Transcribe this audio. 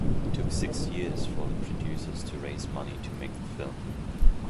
It took six years for the producers to raise money to make the film.